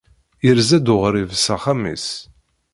Yerza-d uɣrib s axxam-is.